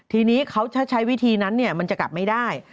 ทีนี้เขาถ้าใช้วิธีนั้นมันจะกลับไม่ได้